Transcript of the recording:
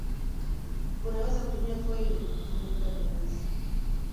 Unaweza tumia foili kufunikia viazi